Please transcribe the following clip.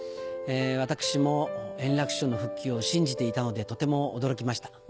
私も円楽師匠の復帰を信じていたので、とても驚きました。